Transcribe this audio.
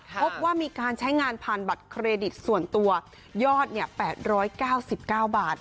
พบว่ามีการใช้งานผ่านบัตรเครดิตส่วนตัวยอด๘๙๙บาท